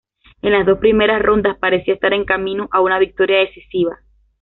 En las dos primeras rondas parecía estar en camino a una victoria decisiva.